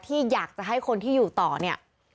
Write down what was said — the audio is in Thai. ที่อยากจะให้คนที่อยู่ต่อเนี่ย